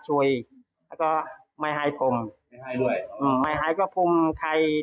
ถ้าไม่มีกินยังไงก็ต้องมาเมืองไทยอีกนั่นแหละ